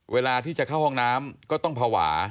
เวลาที่จะเข้าห้องน้ำก็ต้องภาวะ